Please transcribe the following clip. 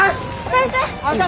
先生！